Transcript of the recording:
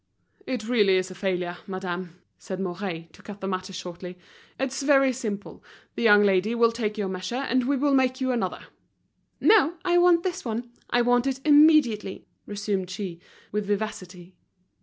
"It really is a failure, madame," said Mouret, to cut the matter short. "It's very simple; the young lady will take your measure, and we will make you another." "No, I want this one, I want it immediately," resumed she, with vivacity.